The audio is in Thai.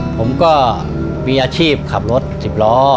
ผมก็มีอาชีพขับรถ๑๐ล้อ